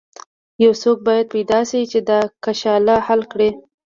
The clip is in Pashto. یو څوک باید پیدا شي چې دا کشاله حل کړي.